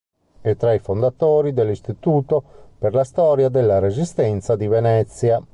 È tra i fondatori dell'Istituto per la storia della Resistenza di Venezia.